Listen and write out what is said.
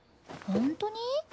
ほんとに？